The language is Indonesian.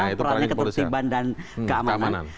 perannya ketertiban dan keamanan